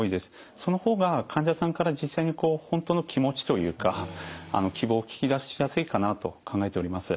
その方が患者さんから実際に本当の気持ちというか希望を聞き出しやすいかなと考えております。